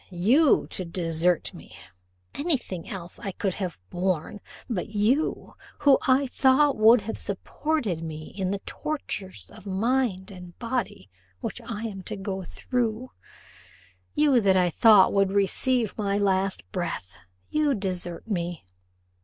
you to desert me! Any thing else I could have borne but you, who I thought would have supported me in the tortures of mind and body which I am to go through you that I thought would receive my last breath you to desert me!